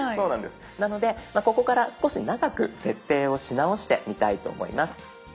なのでここから少し長く設定をし直してみたいと思います。